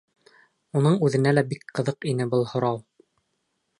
Уның үҙенә лә бик ҡыҙыҡ ине был һорау.